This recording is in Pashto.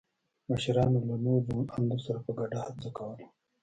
مشرانو له نورو روڼ اندو سره په ګډه هڅه کوله.